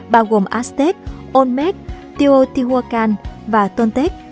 bao gồm aztec olmec teotihuacan và tontec